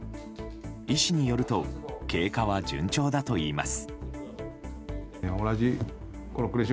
医師によると経過は順調だといいます。